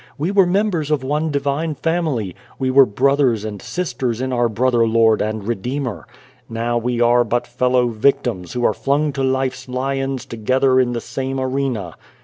We were members of one divine family. We were brothers and sisters in our Brother Lord and Redeemer. Now, we are but fellow victims who are flung to life's lions together in the same arena.